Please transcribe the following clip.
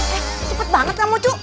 eh cepet banget kamu cu